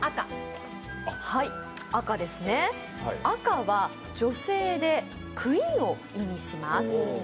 赤は女性でクイーンを意味します。